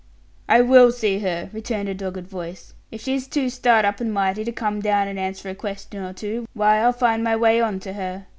"I will see her," returned a dogged voice. "If she's too start up and mighty to come down and answer a question or two, why I'll find my way on to her.